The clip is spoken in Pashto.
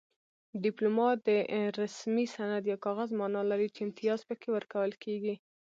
ډیپلوما د رسمي سند یا کاغذ مانا لري چې امتیاز پکې ورکول کیږي